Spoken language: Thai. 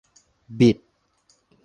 บิด